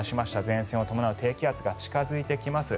前線を伴う低気圧が近付いてきます。